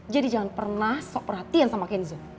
jadi jangan pernah sok perhatian sama kenzo